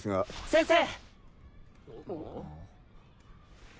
先生！